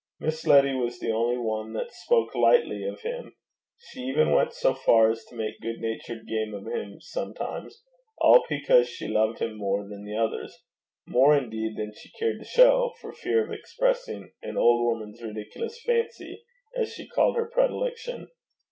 Miss Letty was the only one that spoke lightly of him she even went so far as to make good natured game of him sometimes all because she loved him more than the others more indeed than she cared to show, for fear of exposing 'an old woman's ridiculous fancy,' as she called her predilection.